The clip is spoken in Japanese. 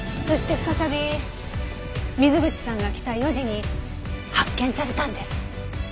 そして再び水口さんが来た４時に発見されたんです。